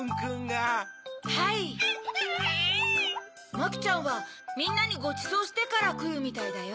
マキちゃんはみんなにごちそうしてからくるみたいだよ。